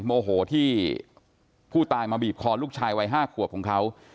โมโหที่ผู้ตายมาบีบคอลูกชายวัย๕ขวบของเขา